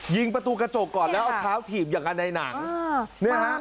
ยิงประตูกระจกก่อนแล้วเอาเท้าถีบอย่างกันในหนังเนี่ยฮะ